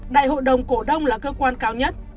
đại hội đồng cổ đông là cơ quan cao nhất